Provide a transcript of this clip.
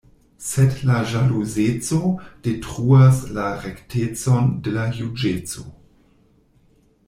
Sed la ĵaluzeco detruas la rektecon de la juĝeco.